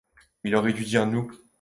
Il aurait dû dire « nous ».